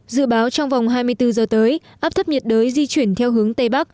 dự báo trong vòng hai mươi bốn giờ tới áp thấp nhiệt đới di chuyển theo hướng tây bắc